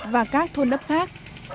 và các thôn đấp khác